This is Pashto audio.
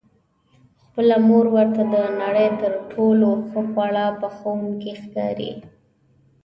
خپله مور ورته د نړۍ تر ټولو ښه خواړه پخوونکې ښکاري.